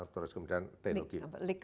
terus kemudian teknologi